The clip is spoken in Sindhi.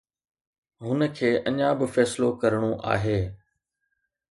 هن کي اڃا به فيصلو ڪرڻو آهي.